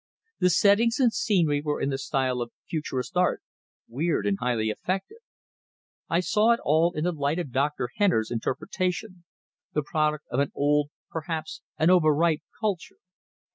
The settings and scenery were in the style of "futurist" art weird and highly effective. I saw it all in the light of Dr. Henner's interpretation, the product of an old, perhaps an overripe culture.